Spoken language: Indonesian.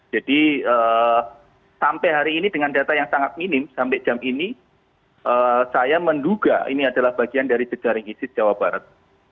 jadi sampai hari ini dengan data yang sangat minim sampai jam ini saya menduga ini adalah bagian dari jejaring isis jawa barat